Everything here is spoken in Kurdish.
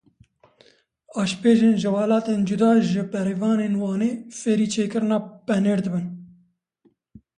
Aşpêjên ji welatên cuda ji bêrîvanên Wanê fêrî çêkirina penêr dibin.